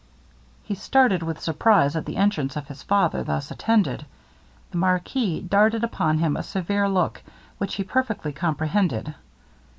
He started with surprize at the entrance of his father thus attended. The marquis darted upon him a severe look, which he perfectly comprehended.